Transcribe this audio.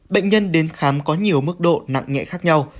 bệnh nhân đến khám có nhiều mức độ nặng nhẹ khác nhau